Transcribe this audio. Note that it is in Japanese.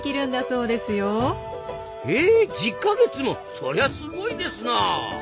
そりゃすごいですなあ！